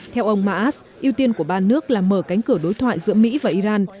theo ông maas ưu tiên của ba nước là mở cánh cửa đối thoại giữa mỹ và iran